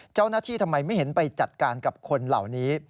เจ้าหน้าที่ทำไมไม่เห็นไปจัดการกับคนเหล่านี้